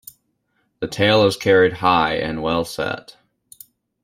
The tail is carried high and well set.